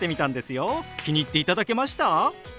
気に入っていただけました？